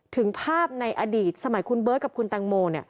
ถึงภาพในอดีตสมัยคุณเบิร์ตกับคุณแตงโม